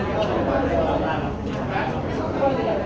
ขอบคุณหนึ่งนะคะขอบคุณหนึ่งนะคะ